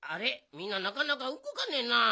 みんななかなかうごかねえな。